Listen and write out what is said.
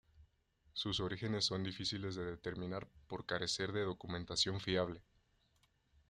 Sus orígenes son difíciles de determinar por carecer de documentación fiable.